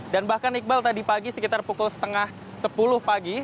dan bahkan ekbal tadi pagi sekitar pukul setengah sepuluh pagi